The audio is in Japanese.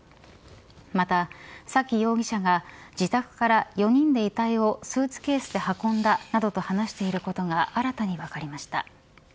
また沙喜容疑者が自宅から４人で遺体をスーツケースで運んだなどと話していることが新たに分かりました。